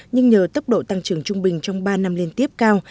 nhưng nhờ tốc độ tăng trưởng trung bình trong ba năm liên tiếp cao